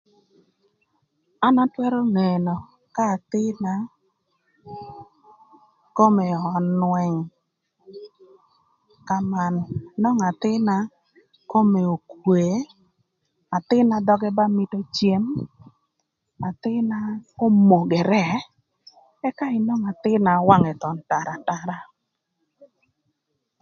An atwërö nënö k'athïn-na kome önwëng köman, nwongo athïn-na kome okwee, athïn-na dhöge ba mïtö cem, athïn-na omogere ëka inwongo athïn-na wangë tatar atara